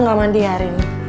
el gak mandi hari ini